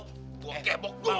gue kebok dulu sama lo